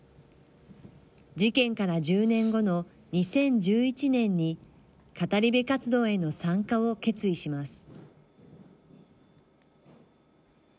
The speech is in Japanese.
事件から１０年後の２０１１年に語り部活動への参加を決意します。